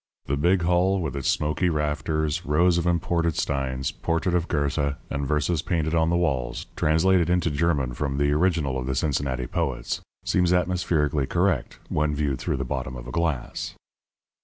The big hall with its smoky rafters, rows of imported steins, portrait of Goethe, and verses painted on the walls translated into German from the original of the Cincinnati poets seems atmospherically correct when viewed through the bottom of a glass.